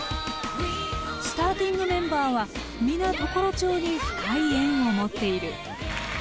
スターティングメンバーは皆常呂町に深い縁を持っている。